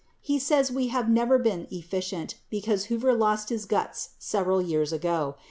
He says we have never been efficient, because Hoover lost his guts several years ago.